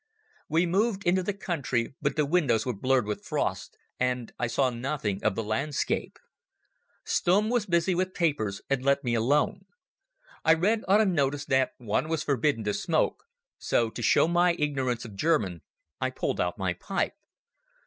We moved into the country, but the windows were blurred with frost, and I saw nothing of the landscape. Stumm was busy with papers and let me alone. I read on a notice that one was forbidden to smoke, so to show my ignorance of German I pulled out my pipe.